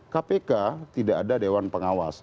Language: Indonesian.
kpk tidak ada dewan pengawas